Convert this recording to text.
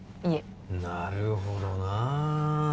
なるほどな。